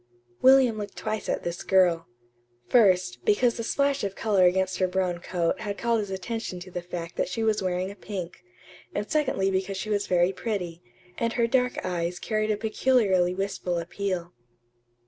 William looked twice at this girl. First, because the splash of color against her brown coat had called his attention to the fact that she was wearing a pink; and secondly because she was very pretty, and her dark eyes carried a peculiarly wistful appeal.